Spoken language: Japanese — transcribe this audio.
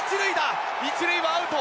１塁はアウト！